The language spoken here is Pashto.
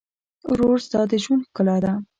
ورور ستا د ژوند ښکلا ده.